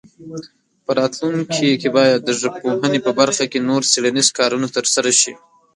په راتلونکي کې باید د ژبپوهنې په برخه کې نور څېړنیز کارونه ترسره شي.